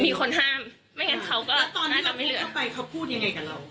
มีคนห้ามไม่งั้นเขาก็แล้วตอนที่เราพูดเข้าไปเขาพูดยังไงกับเรา